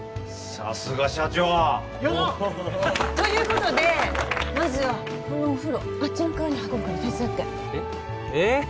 さすが社長よっということでまずはこのお風呂あっちの川に運ぶから手伝ってえっえーっ